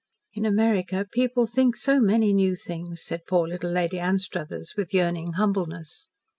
"In America people think so many new things," said poor little Lady Anstruthers with yearning humbleness.